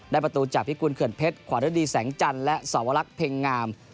ประตูจากพิกุลเขื่อนเพชรขวารดีแสงจันทร์และสวรรคเพ็งงาม